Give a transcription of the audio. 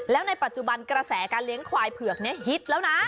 แล้วในปัจจุบันกระแสการเลี้ยงควายเผือกนี้ฮิตแล้วนะ